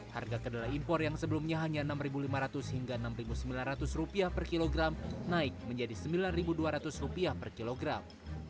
harga kedelai impor yang sebelumnya hanya rp enam lima ratus hingga rp enam sembilan ratus per kilogram naik menjadi rp sembilan dua ratus per kilogram